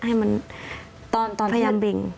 ให้มันตอนพยายามเบ่ง